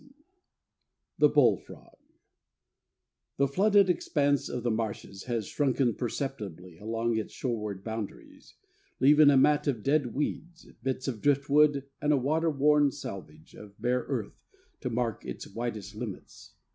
XVI THE BULLFROG The flooded expanse of the marshes has shrunken perceptibly along its shoreward boundaries, leaving a mat of dead weeds, bits of driftwood, and a water worn selvage of bare earth to mark its widest limits.